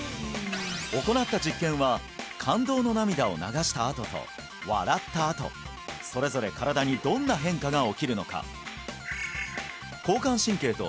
行った実験は感動の涙を流したあとと笑ったあとそれぞれ身体にどんな変化が起きるのか？